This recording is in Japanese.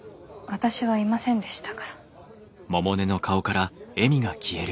私はいませんでしたから。